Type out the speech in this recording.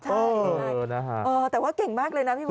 ใช่ง่ายแต่ว่าเก่งมากเลยนะพี่เวอร์